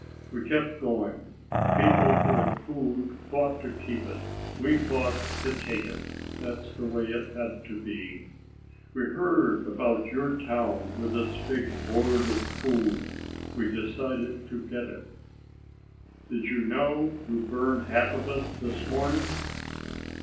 We kept going. People who had food fought to keep it; we fought to take it. That's the way it had to be. "We heard about your town with its big hoard of food. We decided to get it." "Did you know you burned half of it this morning?"